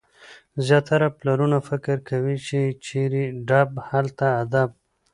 زیاتره پلرونه فکر کوي، چي چيري ډب هلته ادب.